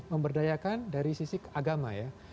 memberdayakan dari sisi agama ya